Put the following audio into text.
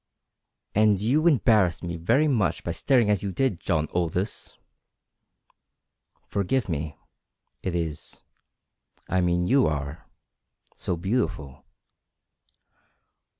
"And you embarrassed me very much by staring as you did, John Aldous!" "Forgive me. It is I mean you are so beautiful."